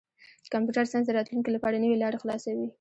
کمپیوټر ساینس د راتلونکي لپاره نوې لارې خلاصوي.